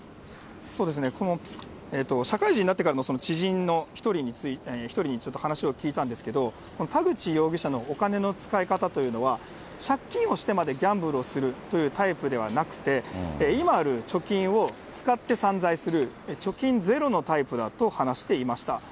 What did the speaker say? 社会人になってからの知人の１人にちょっと話を聞いたんですけど、田口容疑者のお金の使い方というのは、借金をしてまでギャンブルをするというタイプではなくて、今ある貯金を使って散財する、貯金ゼロのタイプだと話していました。